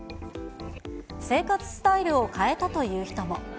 生活スタイルを変えたという人も。